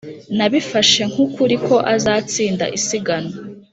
] nabifashe nk'ukuri ko azatsinda isiganwa.